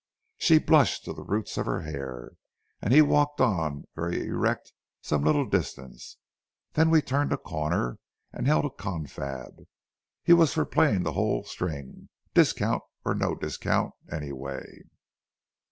She blushed to the roots of her hair, and he walked on very erect some little distance, then we turned a corner and held a confab. He was for playing the whole string, discount or no discount, anyway.